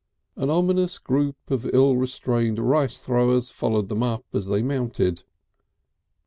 An ominous group of ill restrained rice throwers followed them up as they mounted.